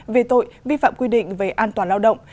về tội vi phạm quy định về an toàn lao động